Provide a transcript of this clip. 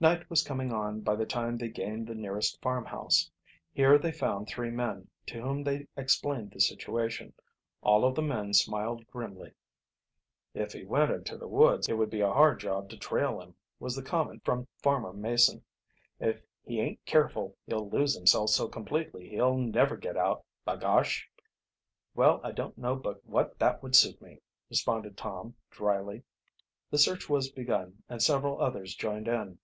Night was coming on by the time they gained the nearest farmhouse. Here they found three men, to whom they explained the situation. All of the men smiled grimly. "If he went into the woods it would be a hard job to trail him," was the comment from Farmer Mason. "If he ain't careful he'll lose himself so completely he'll never git out, b'gosh!" "Well, I don't know but what that would suit me," responded Tom dryly. The search was begun, and several others joined in.